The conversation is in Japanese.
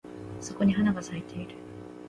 そこに花が咲いてる